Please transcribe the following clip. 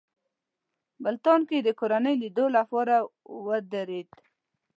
ملتان کې یې د کورنۍ لیدلو لپاره ودرېد.